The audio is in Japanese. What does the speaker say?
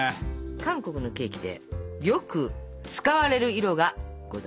韓国のケーキでよく使われる色がございます。